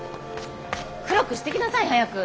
黒くしてきなさい早く。